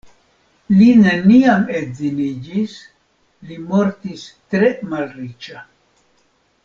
Li neniam edziniĝis, li mortis tre malriĉa.